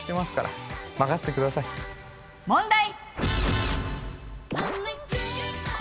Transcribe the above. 問題！